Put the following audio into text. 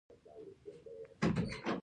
د ماګنیټار مقناطیسي ساحه تر ټولو قوي ده.